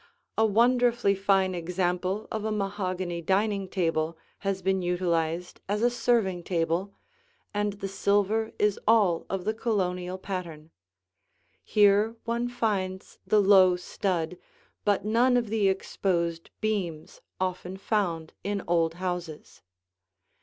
A wonderfully fine example of a mahogany dining table has been utilized as a serving table, and the silver is all of the Colonial pattern. Here one finds the low stud, but none of the exposed beams often found in old houses.